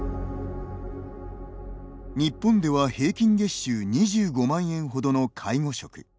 日本では平均月収２５万円ほどの介護職。